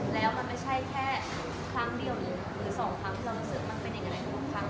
แล้วมันไม่ใช่แค่ครั้งเดียวหรือสองครั้งที่เรารู้สึกมันเป็นอย่างนั้นทุกครั้ง